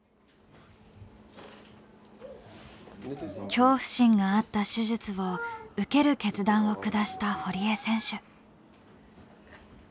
恐怖心があった手術を受ける決断を下した堀江選手。